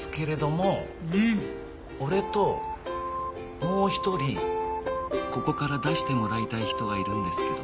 俺ともう１人ここから出してもらいたい人がいるんですけど。